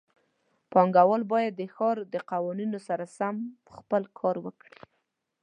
پانګهوال باید د ښار د قوانینو سره سم خپل کار وکړي.